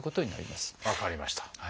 分かりました。